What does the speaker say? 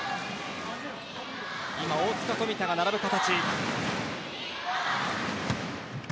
大塚、富田が並ぶ形。